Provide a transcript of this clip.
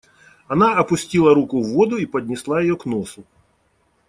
Она опустила руку в воду и поднесла ее к носу.